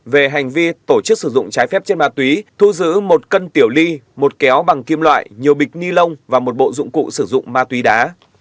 về hành vi tổ chức sử dụng trái phép trên ma túy thu giữ một cân tiểu ly một kéo bằng kim loại nhiều bịch ni lông và một bộ dụng cụ sử dụng ma túy đá